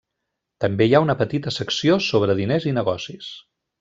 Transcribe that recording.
També hi ha una petita secció sobre diners i negocis.